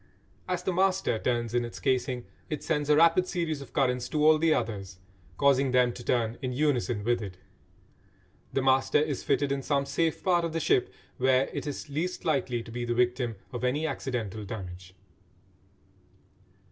As the "master" turns in its casing it sends a rapid series of currents to all the others, causing them to turn in unison with it. The "master" is fitted in some safe part of the ship where it is least likely to be the victim of any accidental damage.